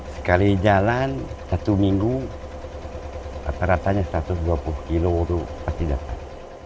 sekali jalan satu minggu rata ratanya satu ratus dua puluh kilo pasti dapat